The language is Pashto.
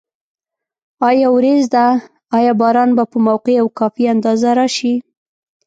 آیا وریځ ده؟ آیا باران به په موقع او کافي اندازه راشي؟